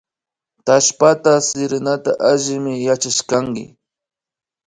Tallpata siranata allimi yachashkanki